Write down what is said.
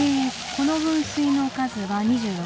「この噴水の数は２６。